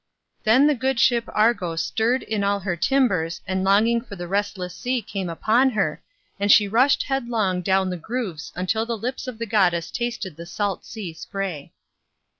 Then the good ship Argo stirred in all her timbers and longing for the restless sea came upon her and she rushed headlong down the grooves till the lips of the goddess tasted the salt sea spray.